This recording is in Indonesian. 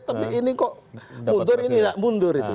tapi ini kok mundur ini tidak mundur itu